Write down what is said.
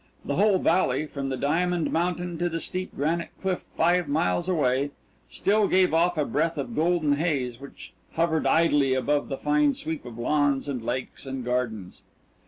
The whole valley, from the diamond mountain to the steep granite cliff five miles away, still gave off a breath of golden haze which hovered idly above the fine sweep of lawns and lakes and gardens.